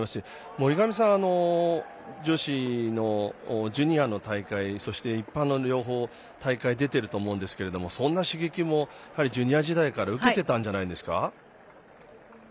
森上さん、女子のジュニアの大会そして、一般の大会両方出ていると思いますがそんな刺激もジュニア時代から受けていたんじゃないですか。